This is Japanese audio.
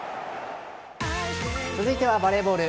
続いてはバレーボール。